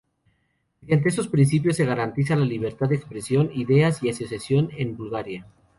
Mediante esos principios se garantizaría la libertad de expresión, ideas y asociación en Bulgaria.